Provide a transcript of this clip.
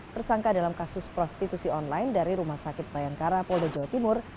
tersangka dalam kasus prostitusi online dari rumah sakit bayangkara polda jawa timur